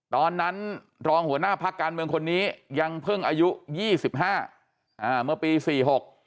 ตอนนั้นรองหัวหน้าพักการเมืองคนนี้ยังเพิ่งอายุ๒๕เมื่อปี๔๖